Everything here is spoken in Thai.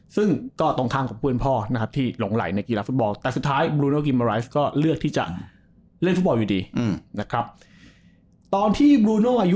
ซึ่งก็ตรงทางกับเพื่อนพ่อที่หลงไหลในกีฬาฟุตบอล